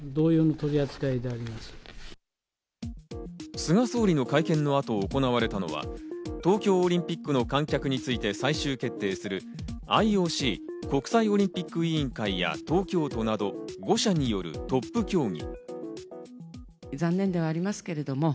菅総理の会見の後に行われたのは東京オリンピックの観客について最終決定するＩＯＣ＝国際オリンピック委員会や東京都など５者によるトップ協議。